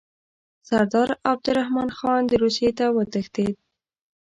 سردار عبدالرحمن خان روسیې ته وتښتېد.